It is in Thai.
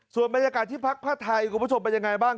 ส่วนบรรยากาศที่พักผ้าไทยคุณผู้ชมเป็นยังไงบ้าง